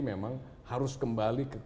memang harus kembali ke